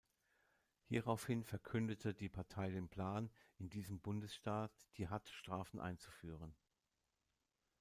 Hieraufhin verkündete die Partei den Plan, in diesem Bundesstaat die Hadd-Strafen einzuführen.